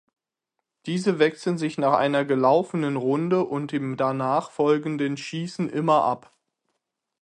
Diese wechseln sich nach einer gelaufenen Runde und dem danach folgenden Schießen immer ab.